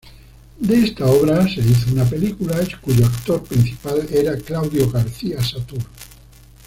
De esta obra se hizo una película, cuyo actor principal era Claudio García Satur.